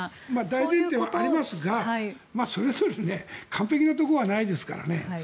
大前提はありますがそれぞれ完璧なところはないですからね。